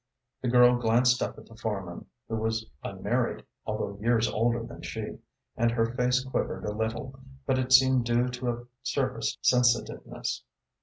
The girl glanced up at the foreman, who was unmarried, although years older than she, and her face quivered a little, but it seemed due to a surface sensitiveness.